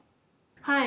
はい。